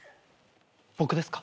僕ですか？